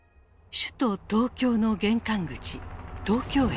首都東京の玄関口東京駅。